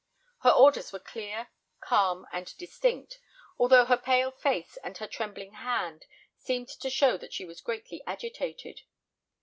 Her orders were clear, calm, and distinct, although her pale face and her trembling hand seemed to show that she was greatly agitated.